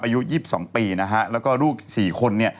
อายุ๒๒ปีนะฮะแล้วก็ลูก๔คนเนี่ย